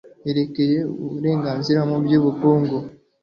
yerekeye uburenganzira mu by ubukungu mu